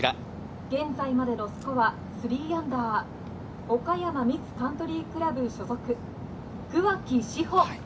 現在までのスコア３アンダー、岡山御津カントリークラブ所属、桑木志帆。